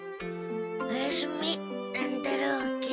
おやすみ乱太郎きり丸。